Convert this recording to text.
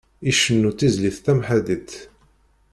Icennu tizlit tamḥaddit.